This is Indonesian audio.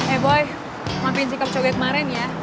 eh boy maafin sikap cowoknya kemaren ya